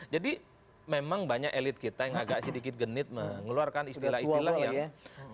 jadi memang banyak elit kita yang agak sedikit genit mengeluarkan istilah istilah yang